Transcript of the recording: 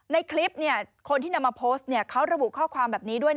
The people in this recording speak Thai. ในคลิปคนที่นำมาโพสต์เขาระบุข้อความแบบนี้ด้วย